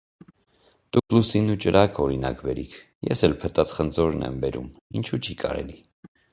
դուք լուսինն ու ճրագը օրինակ բերիք, ես էլ փտած խնձորներն եմ բերում, ինշո՞ւ չի կարելի: